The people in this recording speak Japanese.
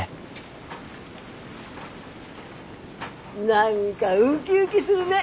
何かウキウキするね！